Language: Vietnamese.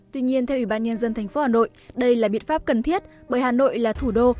tuy nhiên theo ủy ban nhân dân tp hà nội đây là biện pháp cần thiết bởi hà nội là thủ đô